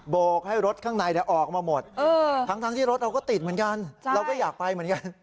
โกกให้รถข้างในออกมาหมดทั้งที่รถเราก็ติดเหมือนกันเราก็อยากไปเหมือนกัน